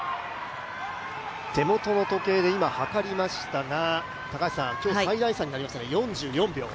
手元の時計で今計りましたが今日最大差になりましたね、４４秒。